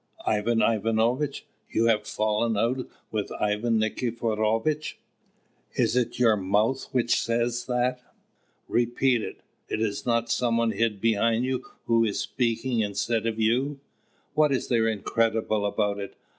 Ivan Ivanovitch! you have fallen out with Ivan Nikiforovitch! Is it your mouth which says that? Repeat it! Is not some one hid behind you who is speaking instead of you?" "What is there incredible about it?